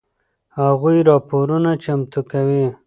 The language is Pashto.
هغوی راپورونه چمتو کوي.